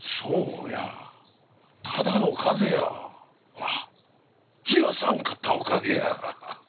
ほら冷やさんかったおかげや。